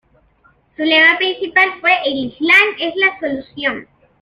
Su lema principal fue: "El Islam es la solución".